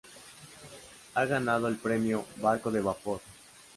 Ha ganado el Premio Barco de Vapor.